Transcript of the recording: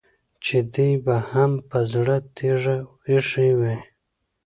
چې دې به هم په زړه تيږه اېښې وي.